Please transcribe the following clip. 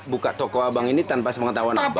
buka toko abang ini tanpa sempat mengetahuan apa